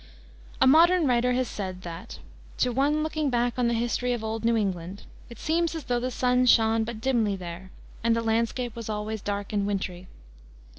A modern writer has said that, to one looking back on the history of old New England, it seems as though the sun shone but dimly there, and the landscape was always dark and wintry.